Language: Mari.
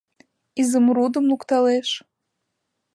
Изумрудым лукталеш